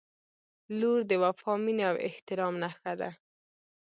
• لور د وفا، مینې او احترام نښه ده.